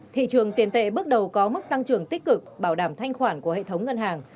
thị trường tiền tệ bước đầu có mức tăng trưởng tích cực bảo đảm thanh khoản của hệ thống ngân hàng